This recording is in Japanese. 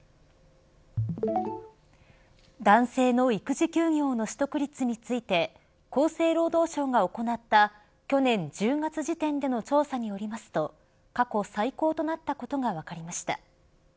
男性の育児休業の取得率について厚生労働省が行った去年１０月時点での調査によりますと過去最高となったことが分かりました。